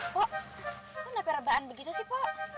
kok nanti rebahan begitu sih po